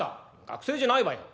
「学生じゃないわよ。